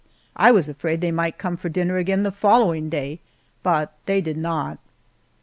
I was afraid they might come for dinner again the following day, but they did not.